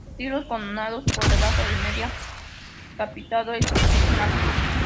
Estilos connados por debajo de media; capitado estigmas.